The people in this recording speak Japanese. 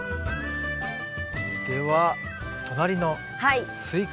では隣のスイカ。